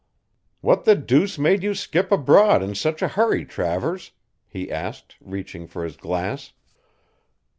"What the deuce made you skip abroad in such a hurry, Travers?" he asked, reaching for his glass.